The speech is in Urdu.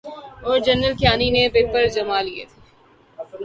اورجنرل کیانی نے پیر جمالیے تھے۔